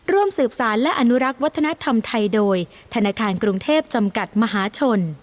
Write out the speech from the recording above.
ร่วมสืบสารและอนุรักษ์วัฒนธรรมไทยโดยธนาคารกรุงเทพจำกัดมหาชน